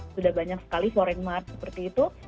sudah banyak sekali foreign mart seperti itu